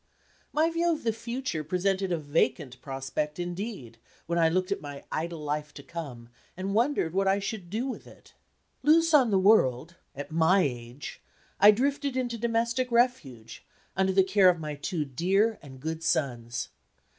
My view of the future presented a vacant prospect indeed, when I looked at my idle life to come, and wondered what I should do with it. Loose on the world at my age! I drifted into domestic refuge, under the care of my two dear and good sons.